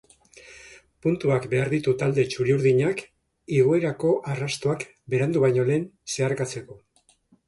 Puntuak behar ditu talde txuri-urdinak igoerako arrastoa berandu baino lehen zeharkatzeko.